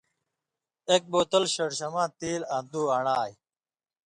ایک بوتل شڑشماں تیل آں دو آن٘ڑہ آئ۔